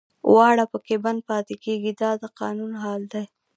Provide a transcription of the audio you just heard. واړه پکې بند پاتې کېږي دا د قانون حال دی.